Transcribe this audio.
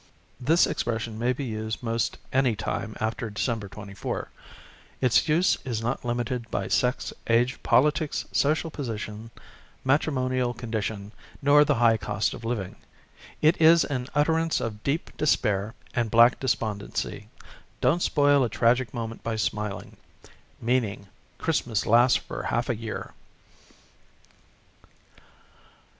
This ex pression may be used most any time after Decem ber 24. Its use is not limited by sex, age, poH tics, social position, matrimonial condition, nor the high cost of living. It is an utterance of deep dispair and black despondency. Don't spoil a tragic moment by smiling. Meaning: "Christmas lasts for half a year."